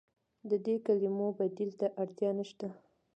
د دې کلمو بدیل ته اړتیا نشته.